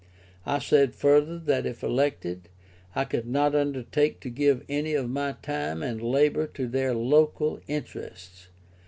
I said further, that if elected, I could not undertake to give any of my time and labour to their local interests.